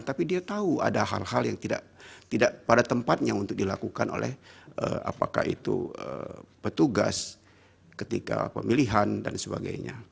tapi dia tahu ada hal hal yang tidak pada tempatnya untuk dilakukan oleh apakah itu petugas ketika pemilihan dan sebagainya